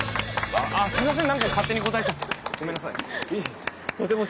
あっすみません。